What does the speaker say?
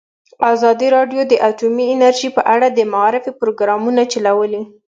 ازادي راډیو د اټومي انرژي په اړه د معارفې پروګرامونه چلولي.